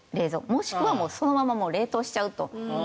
もしくはそのまま冷凍しちゃうと。